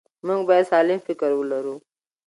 موږ باید سالم فکر ولرو.